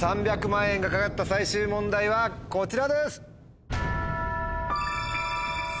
３００万円が懸かった最終問題はこちらです！